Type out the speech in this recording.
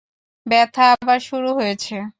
ব্যথা আবার শুরু হয়েছে।